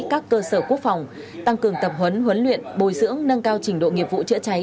các cơ sở quốc phòng tăng cường tập huấn huấn luyện bồi dưỡng nâng cao trình độ nghiệp vụ chữa cháy